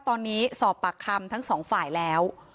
ตอนนี้สอบปากคำทั้งสองฝ่ายแล้ว